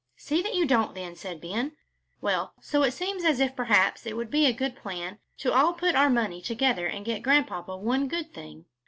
"See that you don't, then," said Ben. "Well, so it seems as if perhaps it would be a good plan to all put our money together and get Grandpapa one good thing."